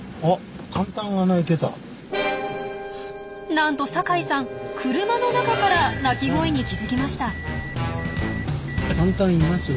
なんと酒井さん車の中から鳴き声に気付きました！